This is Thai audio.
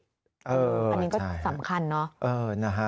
อันนี้ก็สำคัญเนอะ